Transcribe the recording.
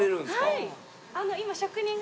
はい。